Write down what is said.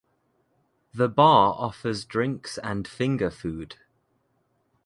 The bar offers drinks and finger food.